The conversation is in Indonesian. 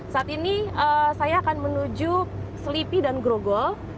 saat ini saya akan menuju selipi dan grogol